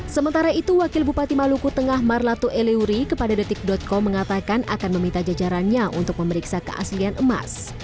sementara itu wakil bupati maluku tengah marlato eleuri kepada detik com mengatakan akan meminta jajarannya untuk memeriksa keaslian emas